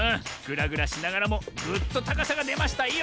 ぐらぐらしながらもぐっとたかさがでましたよ！